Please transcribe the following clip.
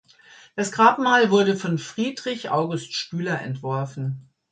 Das Grabmal wurde von Friedrich August Stüler entworfen.